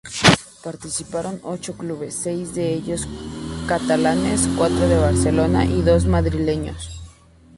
Participaron ocho clubes, seis de ellos catalanes —cuatro de Barcelona— y dos madrileños.